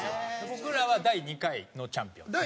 僕らは第２回のチャンピオンです。